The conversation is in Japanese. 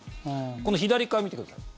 この左側を見てください。